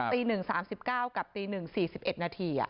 ตี๑๓๙กับตี๑๔๑นาที